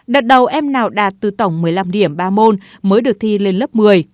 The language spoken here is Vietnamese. đợt đầu em nào đạt từ tổng một mươi năm điểm ba môn mới được thi lên lớp một mươi